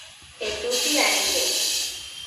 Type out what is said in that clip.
E toti arrien.